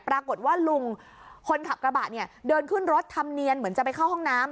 ปรากฏว่าลุงคนขับกระบะเนี่ยเดินขึ้นรถทำเนียนเหมือนจะไปเข้าห้องน้ำ